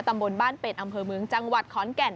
ตำบลบ้านเป็ดอำเภอเมืองจังหวัดขอนแก่น